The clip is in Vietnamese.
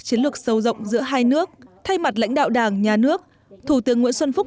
chiến lược sâu rộng giữa hai nước thay mặt lãnh đạo đảng nhà nước thủ tướng nguyễn xuân phúc